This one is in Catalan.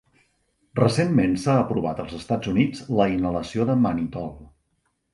Recentment s'ha aprovat als Estats Units la inhalació de manitol.